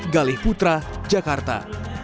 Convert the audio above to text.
galih putra jakarta